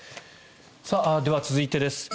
では続いてです。